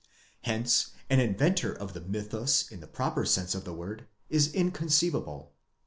Hence an inventer of the mythus in the proper sense of the word is inconceivable.